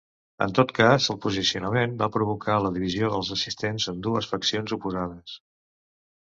En tot cas el posicionament va provocar la divisió dels assistents en dues faccions oposades.